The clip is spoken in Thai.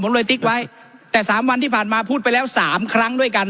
เลยติ๊กไว้แต่สามวันที่ผ่านมาพูดไปแล้วสามครั้งด้วยกัน